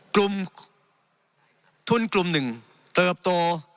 กลุ่มทุนกลุ่มหนึ่งเติบโต